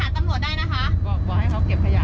ไปหากำหนดได้นะคะ